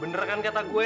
bener kan kata gue